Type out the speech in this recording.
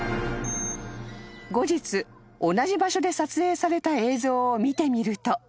［後日同じ場所で撮影された映像を見てみると］